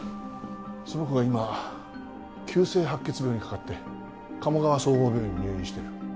その子が今急性白血病にかかって鴨川総合病院に入院している。